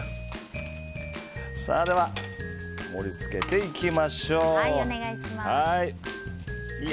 では、盛り付けていきましょう。